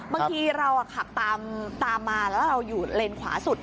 บางทีเราขับตามมาแล้วเราอยู่เลนขวาสุด